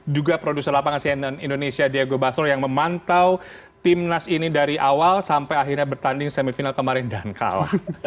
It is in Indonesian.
juga produser lapangan cnn indonesia diego basro yang memantau timnas ini dari awal sampai akhirnya bertanding semifinal kemarin dan kalah